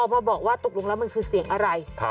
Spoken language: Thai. มาบอกว่าตกลงแล้วมันคือเสียงอะไร